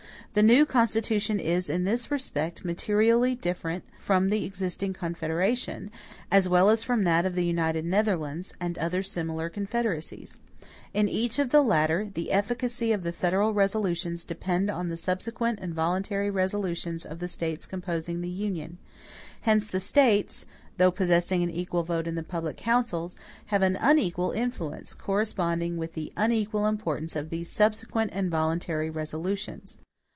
The new Constitution is, in this respect, materially different from the existing Confederation, as well as from that of the United Netherlands, and other similar confederacies. In each of the latter, the efficacy of the federal resolutions depends on the subsequent and voluntary resolutions of the states composing the union. Hence the states, though possessing an equal vote in the public councils, have an unequal influence, corresponding with the unequal importance of these subsequent and voluntary resolutions.